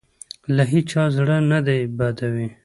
له هېچا زړه نه بدوي.